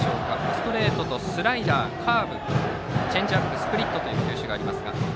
ストレートとスライダー、カーブチェンジアップスプリットという球種があります。